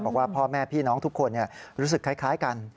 พ่อแม่พี่น้องทุกคนรู้สึกคล้ายกัน